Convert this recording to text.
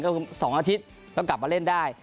ก็คือ๒อาทิตย์ก็กลับมาเล่นได้